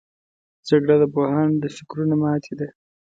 جګړه د پوهانو د فکرونو ماتې ده